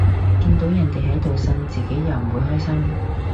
見到人哋喺度呻，自己又唔會開心